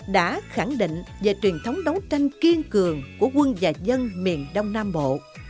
đã khẳng định về truyền thống đấu tranh kiên cường của quân và dân miền đông nam bộ